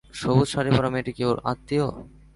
সবুজ শাড়িপরা মেয়েটি কি ওঁর আত্মীয়?